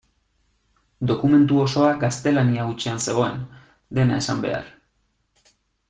Dokumentu osoa gaztelania hutsean zegoen, dena esan behar.